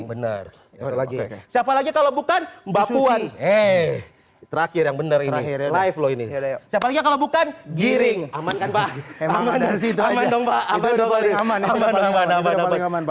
eh terakhir yang bener igno live lo ini cepatnya kalau bukan giring aman aman